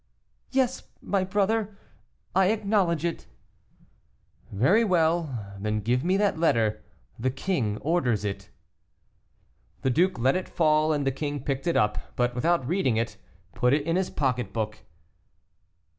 "Yes, my brother, I acknowledge it." "Very well, then give me that letter; the king orders it." The duke let it fall, and the king picked it up, but without reading it put it in his pocket book.